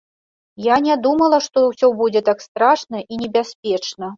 Я не думала, што ўсе будзе так страшна і небяспечна.